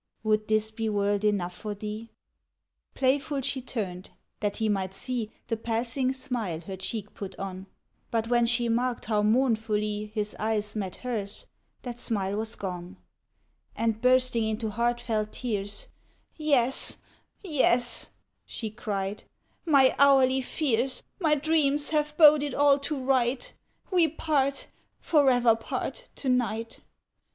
Would this be world enough for thee?" Playful she turned, that he might see The passing smile her cheek put on; But when she marked how mournfully His eyes met hers, that smile was gone; And, bursting into heartfelt tears, "Yes, yes," she cried, "my hourly fears, My dreams, have boded all too right, We part forever part to night!